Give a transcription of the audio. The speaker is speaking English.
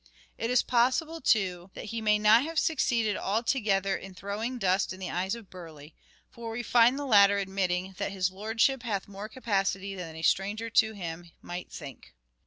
It is possible, too, that he may 302 " SHAKESPEARE " IDENTIFIED not have succeeded altogether in throwing dust in the eyes of Burleigh ; for we find the latter admitting that " his lordship hath more capacity than a stranger to him might think."